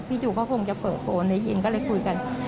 พี่จุกก็คงจะเปิดโกรธในเย็นก็เลยคุยกัน